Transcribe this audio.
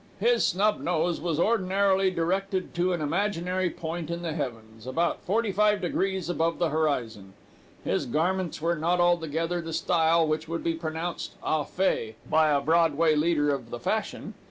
His snub nose was ordinarily directed to an imaginary point in the heavens, about forty five degrees above the horizon. His garments were not altogether the style which would be pronounced au fait, by a Broadway leader of the fashion.